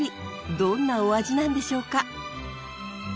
どんなお味なんでしょうか？